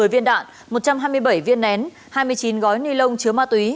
một mươi viên đạn một trăm hai mươi bảy viên nén hai mươi chín gói ni lông chứa ma túy